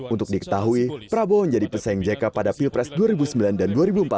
untuk diketahui prabowo menjadi pesaing jk pada pilpres dua ribu sembilan dan dua ribu empat belas